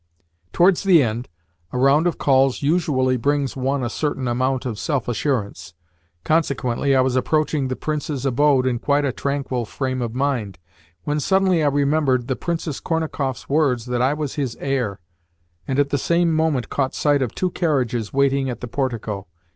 Towards the end, a round of calls usually brings one a certain amount of self assurance: consequently I was approaching the Prince's abode in quite a tranquil frame of mind, when suddenly I remembered the Princess Kornakoff's words that I was his heir, and at the same moment caught sight of two carriages waiting at the portico.